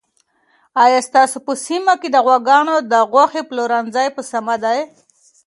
آیا ستاسو په سیمه کې د غواګانو د غوښې پلورنځي په سمه دي؟